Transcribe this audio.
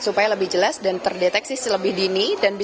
supaya lebih jelas dan terdeteksi selebih dini